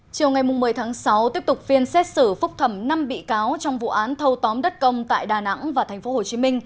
chiều ngày một mươi tháng sáu tiếp tục phiên xét xử phúc thẩm năm bị cáo trong vụ án thâu tóm đất công tại đà nẵng và tp hcm